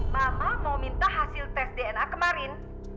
mama mau minta hasil tes dna kemarin